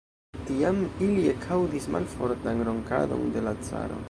Tiam ili ekaŭdis malfortan ronkadon de la caro.